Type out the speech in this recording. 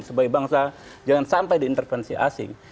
sebagai bangsa jangan sampai diintervensi asing